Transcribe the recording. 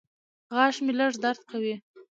غاښ مې لږ درد کوي.